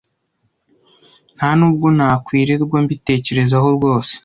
Nta nubwo nakwirirwa mbitekerezaho rwose.